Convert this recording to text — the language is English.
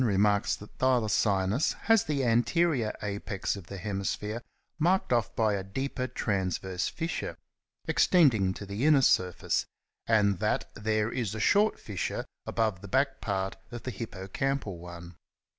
p. 105) remarks that Thylacinus '^has the anterior apex of the hemisphere marked off by a deeper transverse fissure, extending to the inner sm face/' and that " there is a short fissure above the back part of the hippocampal one.'